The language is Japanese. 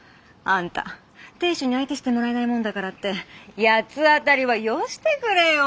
あんた亭主に相手してもらえないもんだからって八つ当たりはよしてくれよ